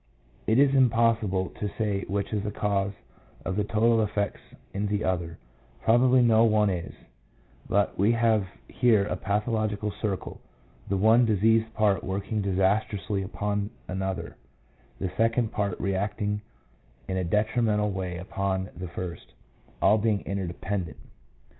It is impossible to say which is the cause of the total effects in the others; probably no one is, but we have here a pathological circle, the one diseased part working disastrously upon another, the second part reacting in a detrimental way upon the the first, all being interdependent.